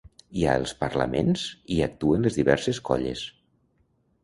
Hi ha els parlaments i actuen les diverses colles.